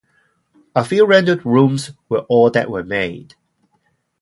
A few rendered rooms were all that were made.